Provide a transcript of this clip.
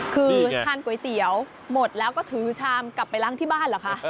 คือทานก๋วยเตี๋ยวหมดแล้วก็ถือชามกลับไปล้างที่บ้านเหรอคะ